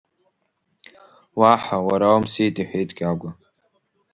Уаҳа, уара умсит, — иҳәеит Кьагәа.